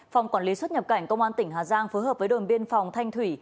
phòng quản lý xuất nhập cảnh công an tỉnh hà giang phối hợp với đồn biên phòng thanh thủy